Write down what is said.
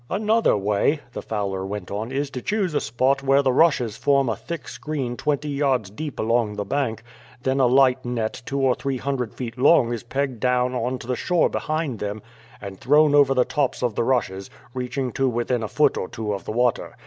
"Another way," the fowler went on, "is to choose a spot where the rushes form a thick screen twenty yards deep along the bank; then a light net two or three hundred feet long is pegged down on to the shore behind them, and thrown over the tops of the rushes, reaching to within a foot or two of the water.